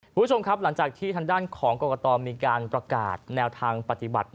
คุณผู้ชมครับหลังจากที่ทางด้านของกรกตมีการประกาศแนวทางปฏิบัติ